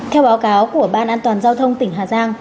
theo báo cáo của ban an toàn giao thông tỉnh hà giang